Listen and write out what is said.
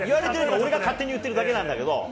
俺が勝手に言ってるだけなんだけど。